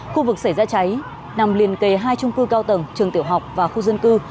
khu vực xảy ra cháy nằm liền kề hai trung cư cao tầng trường tiểu học và khu dân cư